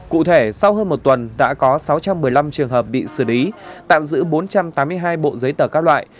cụ thể sau hơn một tuần đã có sáu trăm một mươi năm trường hợp bị xử lý tạm giữ bốn trăm tám mươi hai bộ giấy tờ các loại